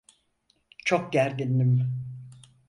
Çok gergindim.